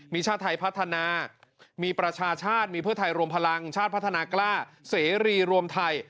มีชาติไทยพัฒนามีประชาชาติมีเพื่อไทยรวมพลังชาติพัฒนากล้าเสรีรวมไทย